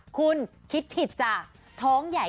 คุณคิดผิดจ้ะท้องใหญ่